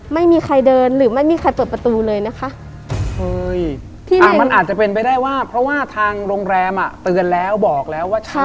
ไม่มีใครเดินหรือไม่มีใครเปิดประตูเลยนะคะ